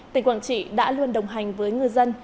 tỉnh quảng trị đã luôn đồng hành với ngư dân